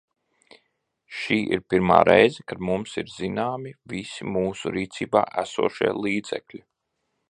Šī ir pirmā reize, kad mums ir zināmi visi mūsu rīcībā esošie līdzekļi.